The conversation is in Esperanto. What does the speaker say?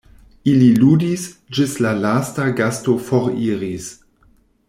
Ili ludis, ĝis la lasta gasto foriris.